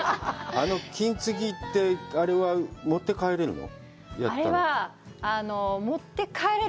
あの金継ぎって、あれは持って帰れるの？